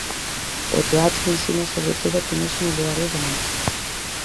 O teatro ensina sobre todo a poñerse no lugar dos demais.